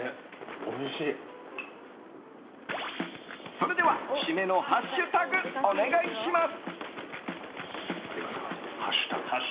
それでは締めのハッシュタグお願いします。